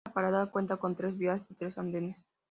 Esta parada cuenta con tres vías y tres andenes.